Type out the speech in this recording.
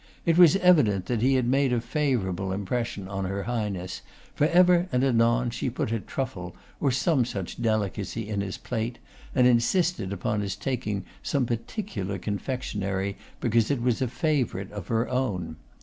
It was evident that he had made a favourable impression on her Highness, for ever and anon she put a truffle or some delicacy in his plate, and insisted upon his taking some particular confectionery, because it was a favourite of her own.